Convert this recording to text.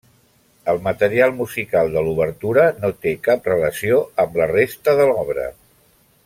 El material musical de l'obertura no té cap relació amb la resta de l'obra.